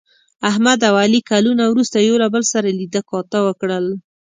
احمد او علي کلونه وروسته یو له بل سره لیده کاته وکړل.